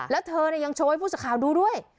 แล้วเธอยังโชว์ให้ผู้สื่อข่าวดูด้วย